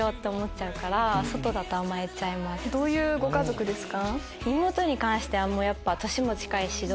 どういうご家族ですか？